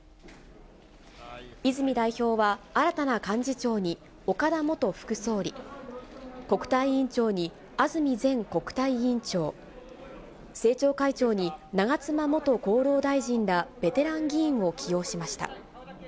泉代表は、新たな幹事長に岡田元副総理、国対委員長に安住前国対委員長、政調会長に長妻元厚労大臣ら、ベテラン議員を起用しました。